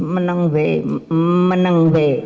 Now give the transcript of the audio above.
menang we menang we